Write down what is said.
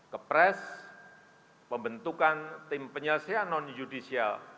kepres pembentukan tim penyelesaian non judicial